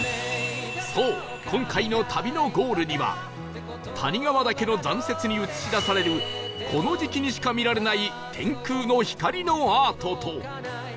そう今回の旅のゴールには谷川岳の残雪に映し出されるこの時期にしか見られない天空の光のアートと